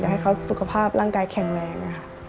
ให้เขาสุขภาพร่างกายแข็งแรง